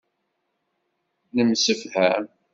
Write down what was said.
Nemsefham.